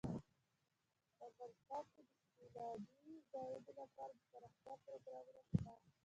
افغانستان کې د سیلانی ځایونه لپاره دپرمختیا پروګرامونه شته.